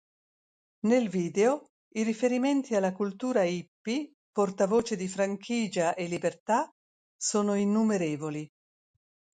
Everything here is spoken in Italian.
Nel video, i riferimenti alla cultura Hippy, portavoce di franchigia e libertà, sono innumerevoli.